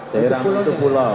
seram itu pulau